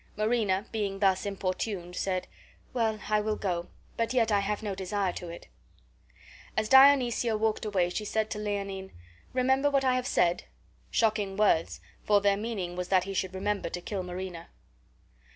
Marina, being thus importuned, said, "Well, I will go, but yet I have no desire to it." As Dionysia walked away she said to Leonine, "Remember what I have said!" shocking words, for their meaning was that he should remember to kill Marina.